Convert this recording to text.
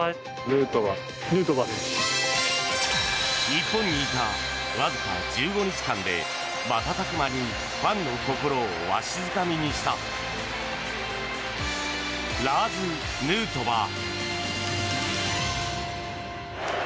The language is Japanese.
日本にいた、わずか１５日間で瞬く間にファンの心をわしづかみにしたラーズ・ヌートバー。